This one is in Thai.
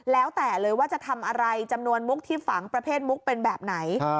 แล้วแต่เลยว่าจะทำอะไรจำนวนมุกที่ฝังประเภทมุกเป็นแบบไหน